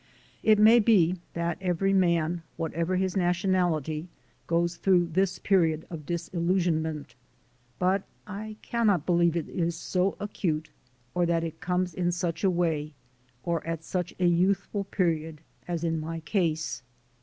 It may be that every man, whatever his nationality, goes through this period of disillusionment, but I cannot believe it is so acute, or that it comes in such a way or at such a youthful period as in my case.